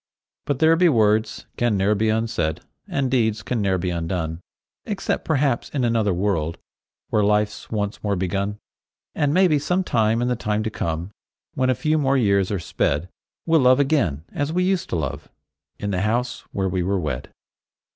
But there be words can ne'er be unsaid, And deeds can ne'er be undone, Except perhaps in another world, Where life's once more begun. And maybe some time in the time to come, When a few more years are sped, We'll love again as we used to love, In the house where we were wed.